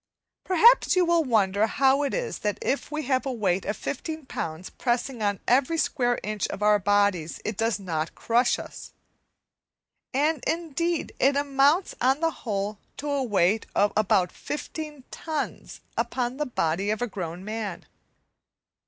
Perhaps you will wonder how it is that if we have a weight of 15 lbs. pressing on every square inch of our bodies, it does not crush us. And, indeed, it amounts on the whole to a weight of about 15 tons upon the body of a grown man.